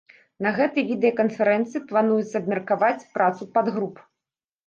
На гэтай відэаканферэнцыі плануецца абмеркаваць працу падгруп.